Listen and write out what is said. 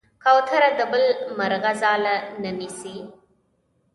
کوتره د بل مرغه ځاله نه نیسي.